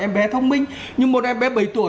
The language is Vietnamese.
em bé thông minh như một em bé bảy tuổi